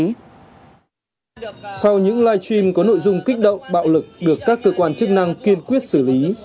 sau những live stream có nội dung kích động bạo lực được các cơ quan chức năng kiên quyết xử lý